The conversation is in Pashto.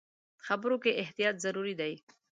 خبرو کې احتیاط ضروري دی.